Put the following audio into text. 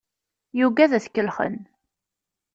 Yugad ad t-kellxen.